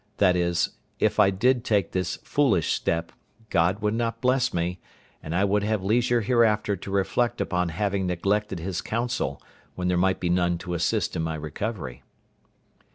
that if I did take this foolish step, God would not bless me, and I would have leisure hereafter to reflect upon having neglected his counsel when there might be none to assist in my recovery.